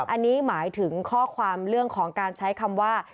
อันนี้หมายถึงข้อความเรื่องของการใช้คำว่า